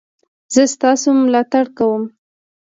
زه ستاسو ملاتړ کوم